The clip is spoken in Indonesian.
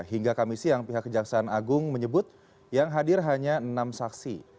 hingga kamis siang pihak kejaksaan agung menyebut yang hadir hanya enam saksi